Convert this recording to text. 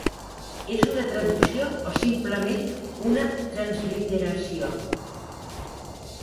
És una traducció o simplement una transliteració?